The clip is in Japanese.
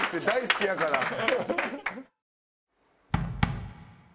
大好きやから。